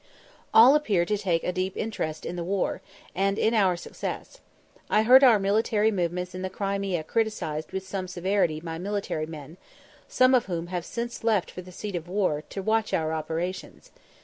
All appeared to take a deep interest in the war, and in our success. I heard our military movements in the Crimea criticised with some severity by military men, some of whom have since left for the seat of war, to watch our operations.